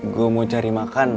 gue mau cari makan